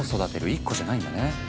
１個じゃないんだね。